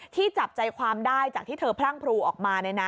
จับใจความได้จากที่เธอพรั่งพรูออกมา